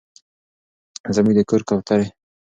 زموږ د کور کوترې